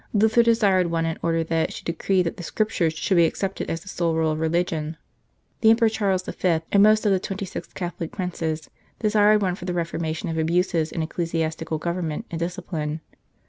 Luther desired one in order that it should decree that the Scriptures should be accepted as the sole rule of religion. The Emperor Charles V., and most of the 26 The Council of Trent Catholic Princes, desired one for the reformation of abuses in ecclesiastical government and dis cipline.